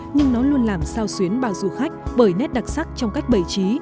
nhưng nó luôn làm sao xuyến bao du khách bởi nét đặc sắc trong cách bày trí